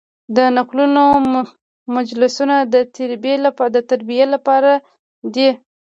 د نکلونو مجلسونه د تربیې لپاره دي.